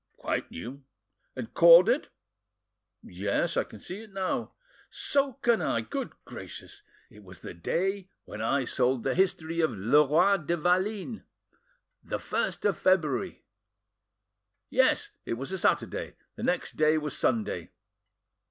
"Quite new." "And corded?" "Yes, I can see it now." "So can I, good gracious! It was the day when I sold the history of Leroi de Valines, the 1st of February." "Yes, it was a Saturday; the next day was Sunday."